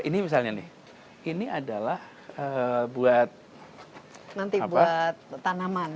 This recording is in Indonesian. ini misalnya nih ini adalah buat tanaman